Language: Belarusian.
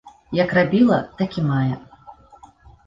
Як рабіла, так і мае!